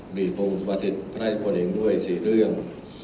มีภูมิสุปฏิษฐ์พระนักศึกษ์พลังเองด้วย๔เรื่อง